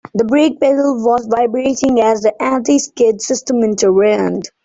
The brake pedal was vibrating as the anti-skid system intervened.